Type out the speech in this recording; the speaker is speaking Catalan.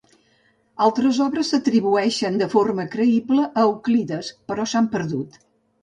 Altres obres s'atribueixen de forma creïble a Euclides, però s'han perdut.